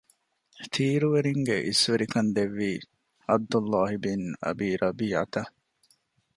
ތީރުވެރީންގެ އިސްވެރިކަން ދެއްވީ ޢަބްދުﷲ ބިން އަބީ ރަބީޢަތަށް